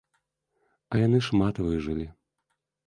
А яны шмат выжылі.